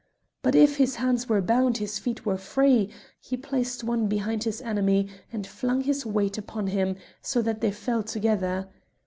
But if his hands were bound his feet were free: he placed one behind his enemy and flung his weight upon him, so that they fell together.